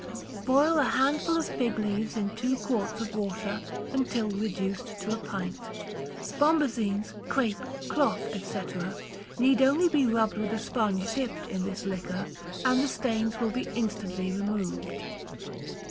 Boil a handful of fig leaves in two quarts of water until reduced to a pint. Bombazines, crape, cloth, &c., need only be rubbed with a sponge dipped in this liquor, and the stains will be instantly removed.